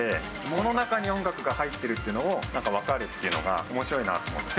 この中に音楽が入ってるっていうのを分かるっていうのがおもしろいなと思って。